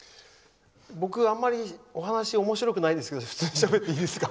僕はあまりお話おもしろくないですけど普通にしゃべっていいですか？